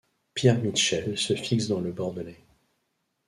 Pierre Mitchell se fixe dans le Bordelais.